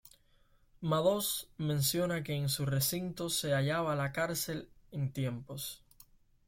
Madoz menciona que en su recinto se hallaba la cárcel en tiempos.